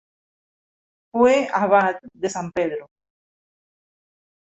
Fue abad de San Pedro.